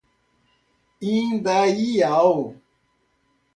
Indaial